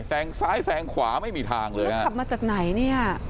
แซงซ้ายแซงขวาไม่มีทางเลยฮะท่านต้องขับมาจากไหนเนี้ย